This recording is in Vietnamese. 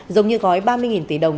giống như gói ba mươi tỷ đồng